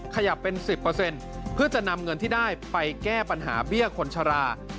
ขยับเป็น๑๐เพื่อจะนำเงินที่ได้ไปแก้ปัญหาเบี้ยคนชรา